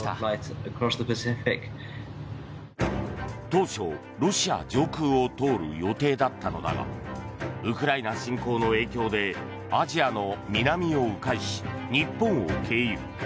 当初、ロシア上空を通る予定だったのだがウクライナ侵攻の影響でアジアの南を迂回し日本を経由。